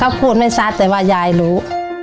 เขาพูดไม่ชัดแต่ว่ายายรู้